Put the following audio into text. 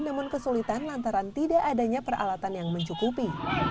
namun kesulitan lantaran tidak adanya peralatan yang mencukupi